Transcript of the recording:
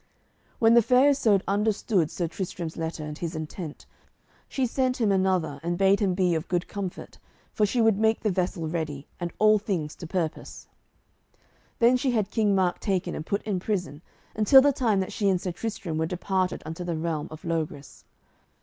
When the Fair Isoud understood Sir Tristram's letter and his intent, she sent him another, and bade him be of good comfort, for she would make the vessel ready, and all things to purpose. Then she had King Mark taken and put in prison, until the time that she and Sir Tristram were departed unto the realm of Logris.